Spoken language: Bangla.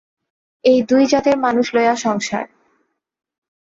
এই দুই জাতের মানুষ লইয়া সংসার।